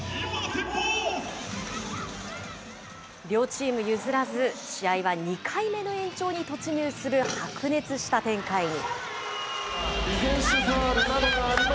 両チーム譲らず、試合は２回目の延長に突入する白熱した展開に。